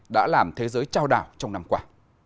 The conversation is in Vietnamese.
đã làm thế giới trao đảo trong năm qua